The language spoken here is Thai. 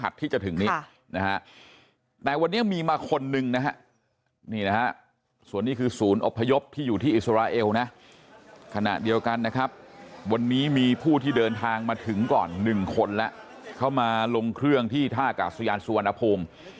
ขณะเดียวกันนะครับวันนี้มีผู้ที่เดินทางมาถึงก่อน๑คนแล้วเข้ามาลงเครื่องที่ท่ากาศยานสุวรรณภูมิ